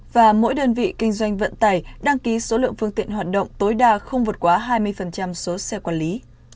và mỗi đơn vị kinh doanh vận tải đăng ký số lượng phương tiện hoạt động tối đa không vượt quá hai mươi số xe quản lý